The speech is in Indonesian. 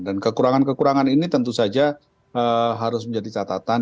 dan kekurangan kekurangan ini tentu saja harus menjadi catatan